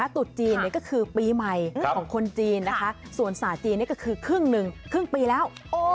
ตุดจีนก็คือปีใหม่ของคนจีนนะคะส่วนศาสตร์จีนนี่ก็คือครึ่งหนึ่งครึ่งปีแล้ว